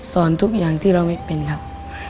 ทุกอย่างที่เราไม่เป็นครับ